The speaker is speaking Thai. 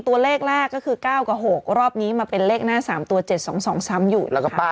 ตัวเลขแรกก็คือ๙กับ๖รอบนี้มาเป็นเลขหน้า๓ตัว๗๒๒ซ้ำอยู่